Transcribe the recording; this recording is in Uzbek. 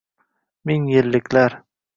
Ming yilliklar